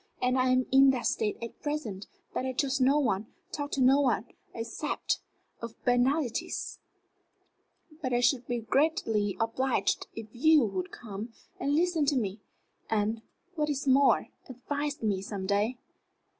And I am in that state at present that I trust no one, talk to no one, except of banalités. But I should be greatly obliged if you would come and listen to me, and, what is more, advise me some day."